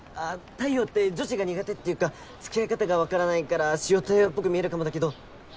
太陽って女子が苦手っていうか付き合い方が分からないから塩対応っぽく見えるかもだけど。